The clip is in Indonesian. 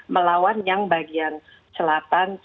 melawan yang bagian selatan